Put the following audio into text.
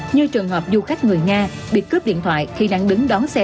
như trường hợp du khách người nga bị cướp điện thoại khi đang đứng đón xe